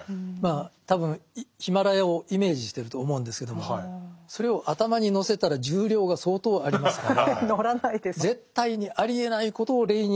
多分ヒマラヤをイメージしてると思うんですけどもそれを頭に載せたら重量が相当ありますから。